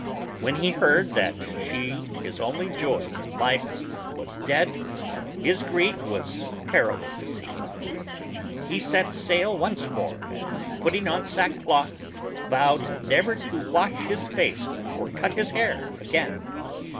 When he heard that she, iiis only joy in life, was dead, his grief was terrible to see. He set sail once more, and putting on sackcloth, vowed never to wash his face or cut his hair again.